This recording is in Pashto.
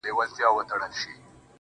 ژر سه ژورناليست يې اوس دې ټول پېژني_